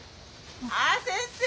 ああ先生！